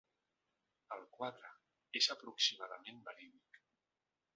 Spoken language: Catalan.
El quadre és aproximadament verídic.